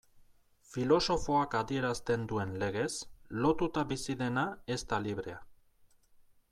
Filosofoak adierazten duen legez, lotuta bizi dena ez da librea.